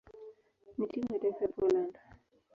na timu ya taifa ya Poland.